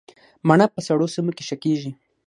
مڼه په سړو سیمو کې ښه کیږي